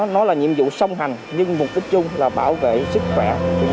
nó là nhiệm vụ song hành nhưng mục đích chung là bảo vệ sức khỏe